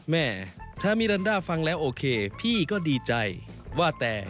แม่ถ้ามิรันด้าฟังแล้วโอเคพี่ก็ดีใจว่าแต่